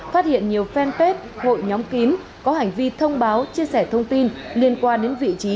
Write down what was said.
phát hiện nhiều fanpage hội nhóm kín có hành vi thông báo chia sẻ thông tin liên quan đến vị trí